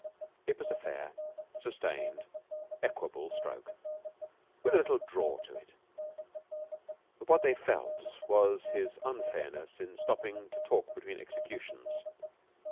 It was a fair, sustained, equable stroke, with a little draw to it, but what they felt most was his unfairness in stopping to talk between executions.